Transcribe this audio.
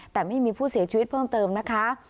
แต่ไม่มีผู้เสียชีวิตเพิ่มเติมนะคะ